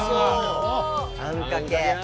あんかけ。